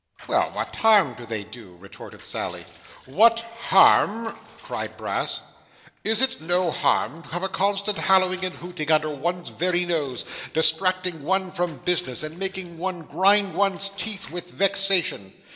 'Well, what harm do they do?' retorted Sally. 'What harm!' cried Brass. 'Is it no harm to have a constant hallooing and hooting under one's very nose, distracting one from business, and making one grind one's teeth with vexation?